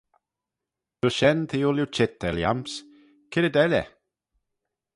Dys shen t'eh ooilley çheet er lhiams—c'red elley?